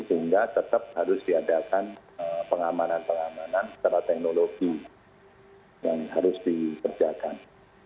sehingga tetap harus diadakan pengamanan pengamanan secara teknologi yang harus dikerjakan